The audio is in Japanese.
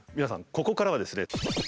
ここからはですね